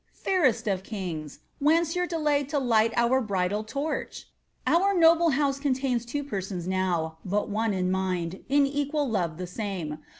Fairest of kings, Whence your delay to light our bridal torch 1 Our noble house contains two persons now, But one in mind, in equal love the same.